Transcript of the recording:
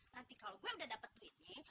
nanti kalau gue udah dapet duitnya